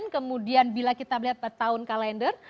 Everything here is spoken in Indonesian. kemudian bila kita lihat tahun kalender